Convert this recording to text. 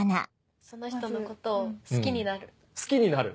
その人のことを好きになる。